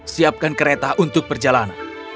siapkan kereta untuk perjalanan